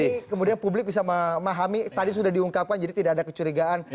ini kemudian publik bisa memahami tadi sudah diungkapkan jadi tidak ada kecurigaan